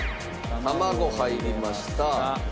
卵入りました。